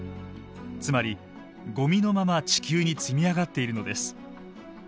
つまりごみのまま地球に積み上がっているのです。